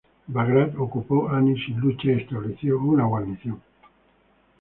Bagrat ocupó Ani sin lucha y estableció una guarnición.